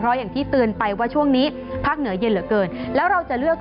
อย่างที่เตือนไปว่าช่วงนี้ภาคเหนือเย็นเหลือเกินแล้วเราจะเลือก